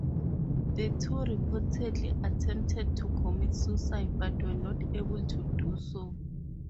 The two reportedly attempted to commit suicide but were not able to do so.